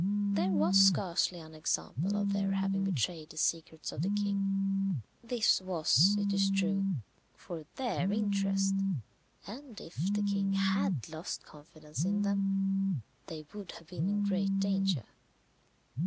There was scarcely an example of their having betrayed the secrets of the king. This was, it is true, for their interest; and if the king had lost confidence in them, they would have been in great danger.